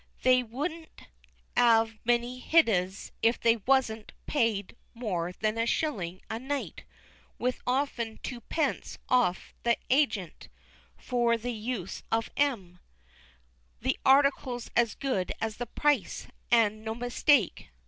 They wouldn't 'ave many hideas if they wasn't paid more than a shilling a night (with often twopence off to the hagent) for the use of 'em; the article's as good as the price, an' no mistake.